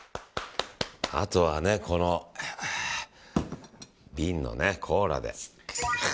あとはね、この瓶のコーラで。